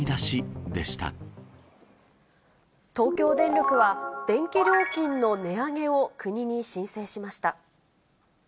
東京電力は、電気料金の値上げを国に申請しました。